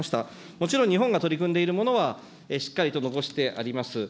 もちろん、日本が取り組んでいるものはしっかりと残してあります。